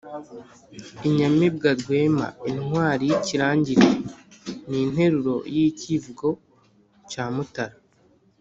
inyamibwa rwema: intwari y’ikirangirire (ni interuro y’ikivugo cy mutara